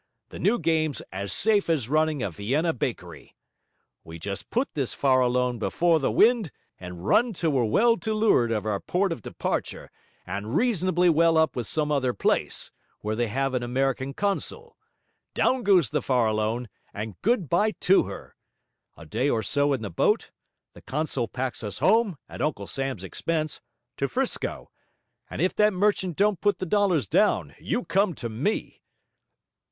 The new game's as safe as running a Vienna Bakery. We just put this Farallone before the wind, and run till we're well to looard of our port of departure and reasonably well up with some other place, where they have an American Consul. Down goes the Farallone, and good bye to her! A day or so in the boat; the consul packs us home, at Uncle Sam's expense, to 'Frisco; and if that merchant don't put the dollars down, you come to me!'